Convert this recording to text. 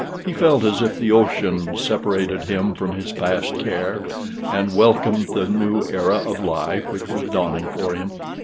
He felt as if the ocean separated him from his past care, and welcomed the new era of life which was dawning for him.